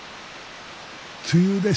梅雨です。